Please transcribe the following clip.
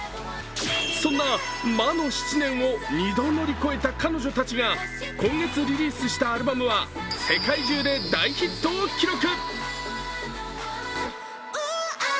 そんな魔の７年を２度乗り越えた彼女たちが、今月リリースしたアルバムは世界中で大ヒットを記録。